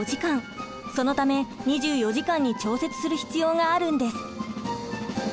そのため２４時間に調節する必要があるんです。